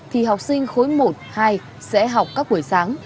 thì học sinh khối một hai sẽ học các buổi sáng